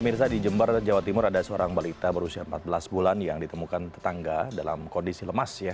mirsa di jember jawa timur ada seorang balita berusia empat belas bulan yang ditemukan tetangga dalam kondisi lemas ya